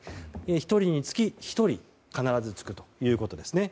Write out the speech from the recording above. １人につき１人必ずつくということです。